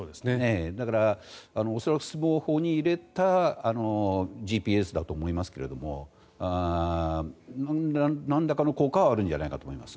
だから、恐らくスマホに入れたＧＰＳだと思いますがなんらかの効果はあるんじゃないかと思います。